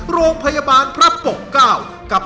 โรงพยาบาลพระปกเก้ากับ